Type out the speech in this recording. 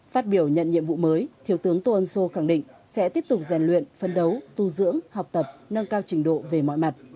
phát biểu nhận nhiệm vụ mới thiếu tướng tô ân sô khẳng định sẽ tiếp tục rèn luyện phân đấu tu dưỡng học tập nâng cao trình độ về mọi mặt